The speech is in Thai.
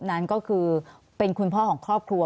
นั้นก็คือเป็นคุณพ่อของครอบครัว